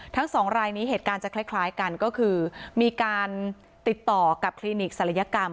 ทั้งสองรายนี้เหตุการณ์จะคล้ายกันก็คือมีการติดต่อกับคลินิกศัลยกรรม